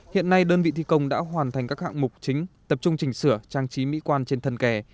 hiện nay đơn vị thi công đã hoàn thành các hạng mục chính tập trung chỉnh sửa trang trí mỹ quan trên thân kè